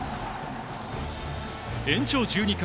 延長１２回。